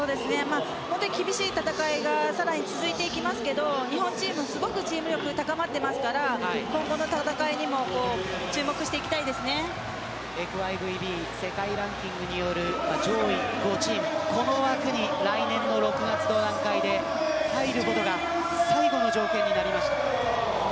本当に厳しい戦いがさらに続いていきますが日本はチーム力すごく高まってますから今後の戦いにもＦＩＶＢ世界ランキングによる上位５チームの枠に来年の６月の段階で入ることが最後の条件になりました。